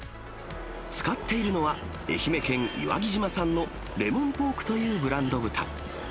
使っているのは、愛媛県岩城島産のレモンポークというブランド豚。